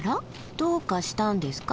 どうかしたんですか？